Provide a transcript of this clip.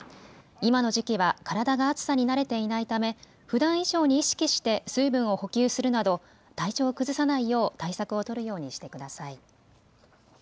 今の時期は体が暑さに慣れていないため、ふだん以上に意識して水分を補給するなど体調を崩さないよう対策を取るようにしてください。